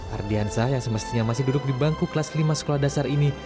ardiansah yang semestinya masih duduk di bangku kelas lima sekolah dasar ini